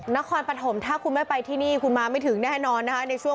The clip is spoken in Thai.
นครปฐมถ้าคุณไม่ไปที่นี่คุณมาไม่ถึงแน่นอน